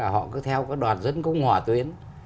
họ cứ theo các đoàn dân cung hòa tuyến